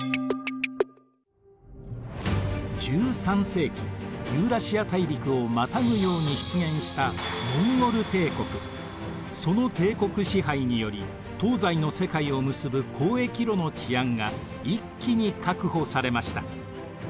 １３世紀ユーラシア大陸をまたぐように出現したその帝国支配により東西の世界を結ぶ交易路の治安が一気に確保されました。